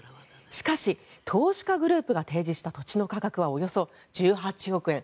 しかし、投資家グループが提示した土地の価格はおよそ１８億円。